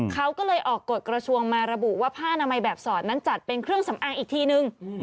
เขาก็เลยออกกฎกระทรวงมาระบุว่าผ้านามัยแบบสอดนั้นจัดเป็นเครื่องสำอางอีกทีนึง